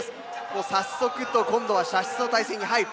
もう早速と今度は射出の態勢に入る。